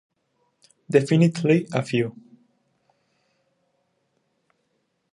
Definitely a few.